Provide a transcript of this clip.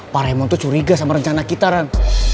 pak raymond tuh curiga sama rencana kita ren